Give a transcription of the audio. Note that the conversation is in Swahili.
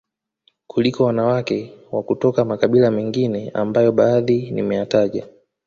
kuliko wanawake wa kutoka makabila mendine ambayo badhi nimeyataja